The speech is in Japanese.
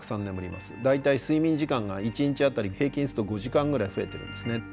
大体睡眠時間が１日当たり平均すると５時間ぐらい増えてるんですね。